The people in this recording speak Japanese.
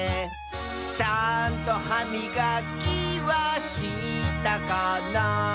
「ちゃんとはみがきはしたかな」